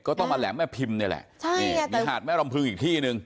ก็ต้องมาแหลมแม่พิมพ์นี่แหละใช่นี่มีหาดแม่ลำพึงอีกที่หนึ่ง